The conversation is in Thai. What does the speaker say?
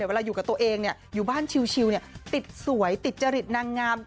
เวลาอยู่กับตัวเองอยู่บ้านชิวติดสวยติดจริตนางงาม